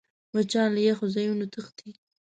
مچان له یخو ځایونو تښتي